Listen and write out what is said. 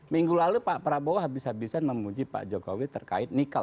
minggu lalu pak prabowo habis habisan memuji pak jokowi terkait nikel